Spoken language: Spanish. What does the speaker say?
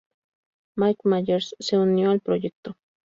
Mike Myers se unió al proyecto;.